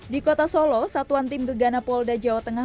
di kota solo satuan tim gegana polda jawa tengah